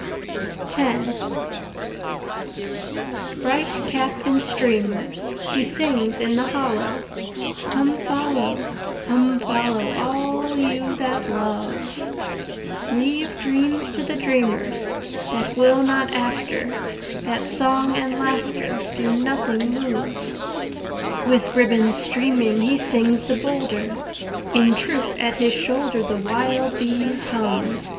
X Bright cap and streamers, He sings in the hollow: Come follow, come follow, All you that love. Leave dreams to the dreamers That will not after, That song and laughter Do nothing move. With ribbons streaming He sings the bolder; In troop at his shoulder The wild bees hum.